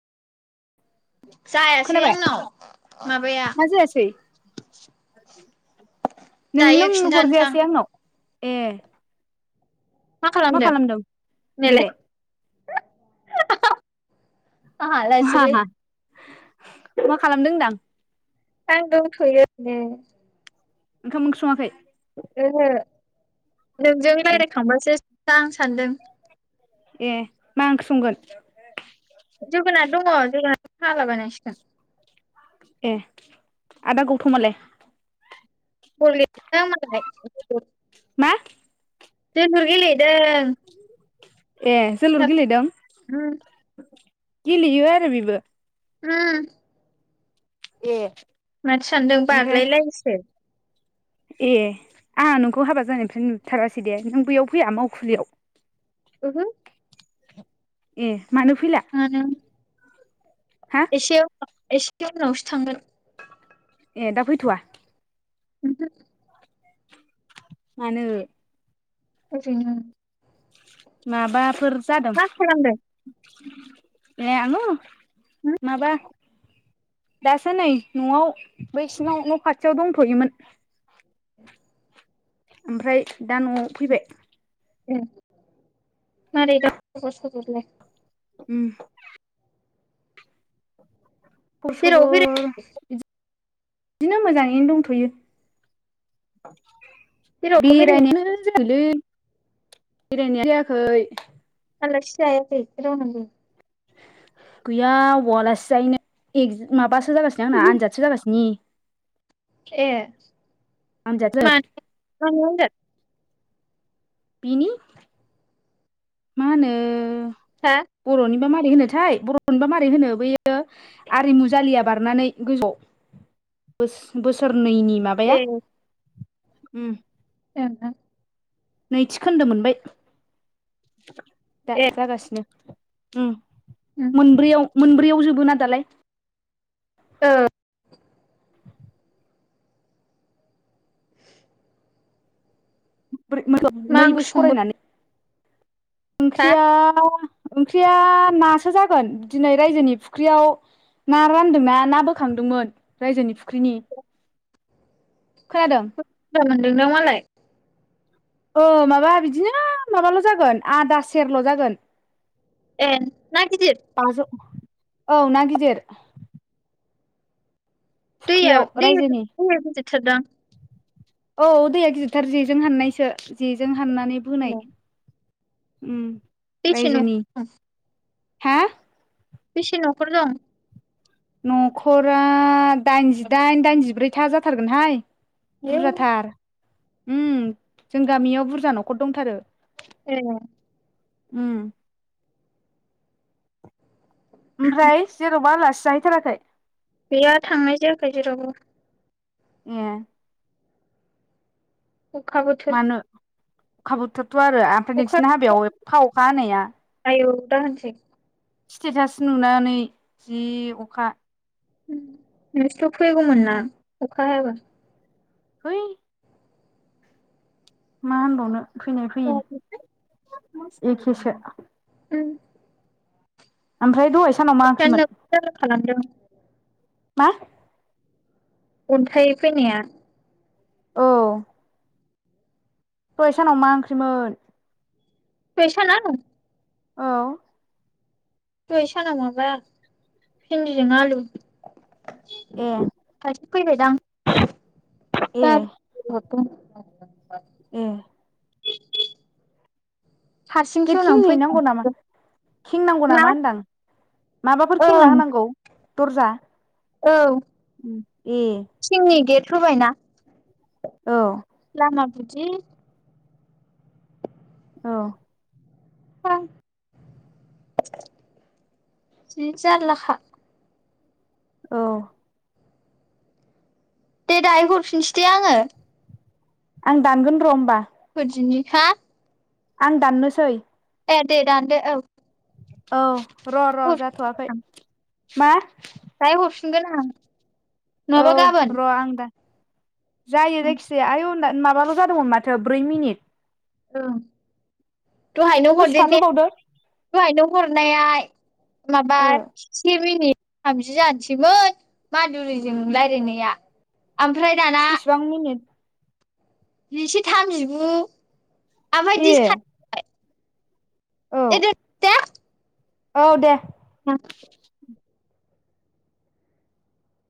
जायासै खोनाबाय आंनाव माबाया ना जायासै दायो नोंनोनो खिन्थानोसां हरजायासै आंनाव ए मा खालामदों नैलाय नोंलाय आ हालासोलै मा मा खालामदों होनदां आं दंथ'योनो ओरैनो ओंखाम ओंख्रै सङाखै ओहो नोंजों ए रायज्लायखांबासो दा आं सान्दों ए मा ओंख्रि संगोन जोगोनार दङ जोगोनार हालाबायनांसिगोन‌ ए आदा गौथमालाय बल गेलेदोंदां मालाय मा [unintelligible] दों ए जोलुर गेलेदों उम गेलेयो आरो बिबो उम ए। माथो सानदों ओमफ्राय बारलायलायसो। ए आंहा नोंखौ हाबा जानायनिफ्राय नुथारासै दे नों बैयाव फैया मावखुलियाव? ओहो। ए। मानो फैला हा एसेया एसे ख उनावसो थांगोन। ए दा फैथ'आ? ओहो। मानो? ओरैनो। माबाफोर जादों। मा खालामदों ए आङो उम माबा दासो नै न'आव बै सिङाव न खाथियाव दंथ'योमोन। ओमफ्राय दा न'आव फैबाय। ऐ मारै दं खबरसखबरालाय? उम। जेरावबो बेराय फसबर बिदिनो मोजाङैनो दंथ'यो। जेरावबो बेराय बेरायनोनो जायालै। बेरायनायानो जायाखै। आलसि जायाखै रावनावबो? गैया औलासि जायैनो माबा [unintelligible] आनजादसो जागासिनो ए। आनजाथसो मानो [unintelligible] बिनि मा होनो? हा बर'नि। [unintelligible] बर'निबा मारै होनो बैयो आरिमु जालिया बारनानै गोजौआव बोसो बोसोर नैनि ए माबाया। ओं उम। [unintelligible] नैथि खोन्दो मोनबाय। दा ए जागासिनो। उम। मोनब्रैयाव मोनब्रैयाव बुजबोना दालाय ओ [unintelligible] मा नै ओंख्रि बोसोर संगोन फरायनानै हा ओंख्रिया ओंख्रिया नासो जागोन दिनै रायजोनि फुख्रियाव ना रानदोंना ना बोखांदोंमोन रायजोनि फुख्रिनि। खोनादों? बुरजा मोनदों नो मालाय। औ माबा बिदिनो माबाल' जागोन आदा सेरल' जागोन। ए ना गिदिर? बाजौ औ ना गिदिर। फुख्रियाव रायजोनि [unintelligible] औ दैया गिदिरथार जेजों हाननायसो जेजों फाननानै बोनाय उ। बेसेनो हा? बेसे न'खर दं? न'खरा दाइनजिदाइन दाइनजिब्रैथा जाथारगोनहाय। आयौ बुरजा थार। उम जों गामियाव बुरजा न'खर दंथारो। ए। उ। ओमफ्राय जेरावबो आलासि जाहैथाराखै? गैया थांनाय जायाखै जेरावबो। ए। अखाबोथोर। मानो अखा बोथोत। थ' आरो ओमफ्राय नोंसिनि हाबायाव एफा अखा हानाया। दा होनसै। स्टेटास नुनानै जि अखा [unintelligible] फैगौमोन ना? अखा हायाबा होइ मा होनबावनो फैनाय उम फैयो एखेसो उ। ओमफ्राय दय [unintelligible] मा? अन्थाइ फैनाया औ दहाय सानाव मा ओंख्रिमोन? दहाय सानाव? औ दहै सानाव माबा भिन्दिजों आलु। ए फैबायदां ए [unintelligible] दों। [unintelligible] ए हारसिं गेट खेवनानै खेंहैनांगौ नामा? फैदों खेंनांगौ मा नामाहोनदां? माबाफोर खेंना ओं होनांगौ? दरजा औ ए थिंनि गेट होबाय ना? औ बिदि औ [unintelligible] जि जारलाखा। औ दे दाहाय हरफिनसै दे आङो। आं दानगोन र' होमबा। फोरदिनि हा आं दाननोसै? ए दे दानदो औ। औ र' र' जाथ'आखै हरफिनगोन आं मा? दाहाय हरफिगोन आं। औ नङाबा गाबोन र' आं दा जायो जायखिजाया आय' [unintelligible] माबाल' जादोंमोन माथो ब्रै मिनिट? ओं दहायनो दसे हरदे ने थाथ'बावदो दहायनो हर नाय आय माबा ओ से मिनिट थामजि जानोसैमोन मादुरिजों लायरायनाया। आमफ्राय दाना बेसेबां मिनिट जिसे थामजिगु आमफाय ए दिस [unintelligible] औ [unintelligible] औ दे [inaudible]